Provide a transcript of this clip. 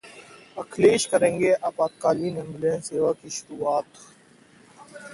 अखिलेश करेंगे आपातकालीन एम्बुलेंस सेवा की शुरुआत